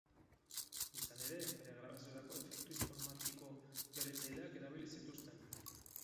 Izan ere, bere grabaziorako efektu informatiko berritzaileak erabili zituzten.